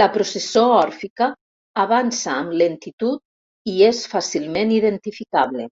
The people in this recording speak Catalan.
La processó òrfica avança amb lentitud i és fàcilment identificable.